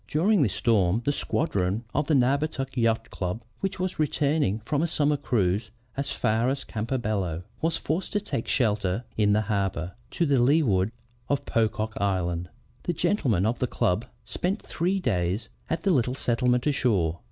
During this storm the squadron of the Naugatuck Yacht Club, which was returning from a summer cruise as far as Campobello, was forced to take shelter in the harbor to the leeward of Pocock Island. The gentlemen of the club spent three days at the little settlement ashore.